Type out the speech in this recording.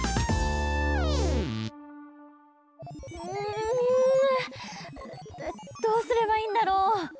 んどうすればいいんだろう。